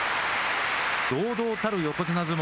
堂々たる横綱相撲。